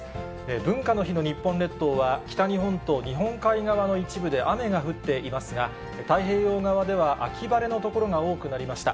文化の日の日本列島は、北日本と日本海側の一部で雨が降っていますが、太平洋側では秋晴れの所が多くなりました。